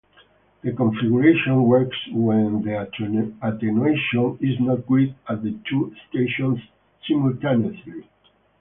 The configuration works when the attenuation is not great at the two stations simultaneously.